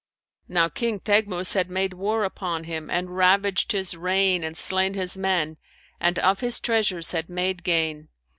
Now King Teghmus had made war upon him and ravaged his reign and slain his men and of his treasures had made gain.